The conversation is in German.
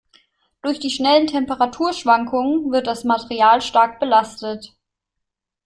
Durch die schnellen Temperaturschwankungen wird das Material stark belastet.